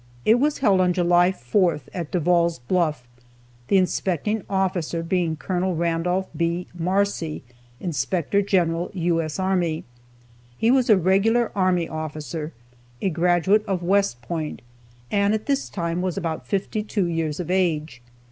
It was held on July 4th, at Devall's Bluff, the inspecting officer being Col. Randolph B. Marcy, Inspector General U.S. Army. He was a regular army officer, a graduate of West Point, and at this time was about fifty two years of age.